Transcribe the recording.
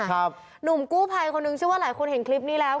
หนุ่มกู้ภัยคนหนึ่งชื่อว่าหลายคนเห็นคลิปนี้แล้ว